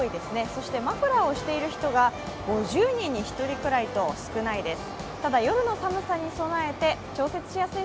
そしてマフラーをしている人が５０人に１人ぐらいと少ないです。